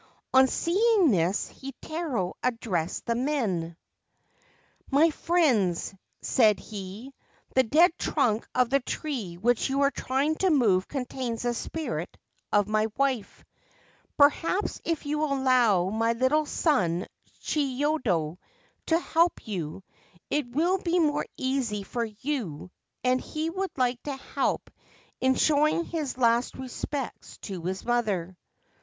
On seeing this, Heitaro addressed the men. 16 The Spirit of the Willow Tree ' My friends/ said he, * the dead trunk of the tree which you are trying to move contains the spirit of my wife. Perhaps, if you will allow my little son Chiyodo to help you, it will be more easy for you ; and he would like to help in showing his last respects to his mother.'